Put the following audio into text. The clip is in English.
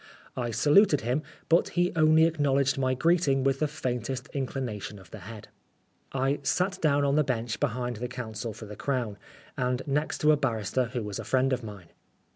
I saluted him, but he only acknow ledged my greeting with the faintest incli nation of the head. I sat down on the bench behind the counsel for the Crown, and next to a barrister who was a friend of mine.